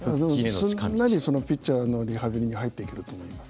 すんなりピッチャーのリハビリに入っていけると思います。